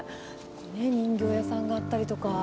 人形屋さんがあったりとか。